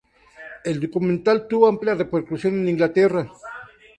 El documental tuvo amplia repercusión en Inglaterra.